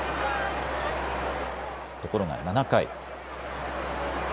ところが７回。